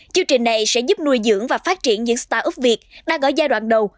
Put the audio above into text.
chương trình này sẽ giúp nuôi dưỡng và phát triển những start up việt đang ở giai đoạn đầu